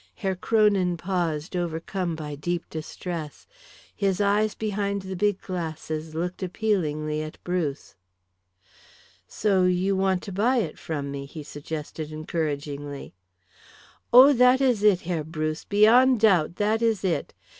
Herr Kronin paused, overcome by deep distress. His eyes behind the big glasses looked appealingly at Bruce. "So you want to buy it from me," he suggested encouragingly. "Oh, that is it, Herr Bruce, beyond doubt, that is it.